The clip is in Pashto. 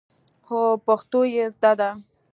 خو پښتو يې زده ده.